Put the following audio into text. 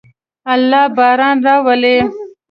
الله باران راولي.